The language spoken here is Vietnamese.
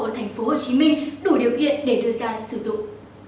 ở thành phố hồ chí minh đủ điều kiện để đưa ra sử dụng